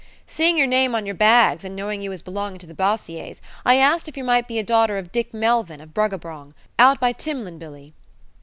"Seeing your name on yer bags, an' knowin' you was belonging to the Bossiers, I ask if yer might be a daughter of Dick Melvyn, of Bruggabrong, out by Timlinbilly."